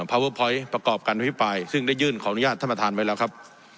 พาเวอร์พอยต์ประกอบการอภิปรายซึ่งได้ยื่นขออนุญาตท่านประธานไว้แล้วครับ